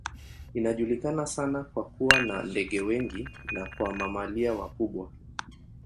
Inajulikana sana kwa kuwa na ndege wengi na kwa mamalia wakubwa.